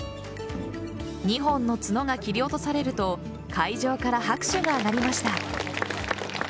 ２本の角が切り落とされると会場から拍手が上がりました。